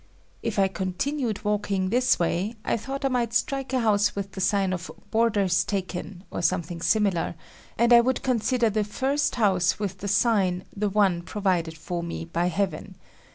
If I continued walking this way, I thought I might strike a house with the sign of "boarders taken" or something similar, and I would consider the first house with the sign the one provided for me by Heaven.